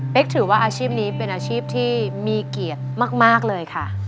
ถือว่าอาชีพนี้เป็นอาชีพที่มีเกียรติมากเลยค่ะ